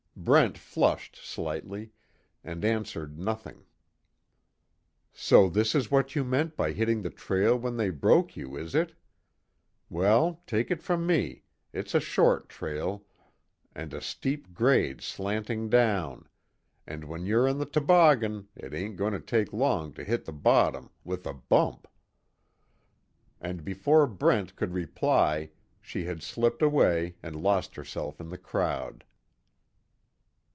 Brent flushed, slightly, and answered nothing. "So this is what you meant by hitting the trail when they broke you, is it? Well, take it from me, it's a short trail, and a steep grade slanting down, and when you're on the toboggan it ain't going to take long to hit the bottom with a bump." And before Brent could reply she had slipped away and lost herself in the crowd.